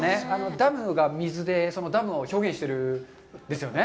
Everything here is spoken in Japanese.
ダムが水で、そのダムを表現してるんですよね。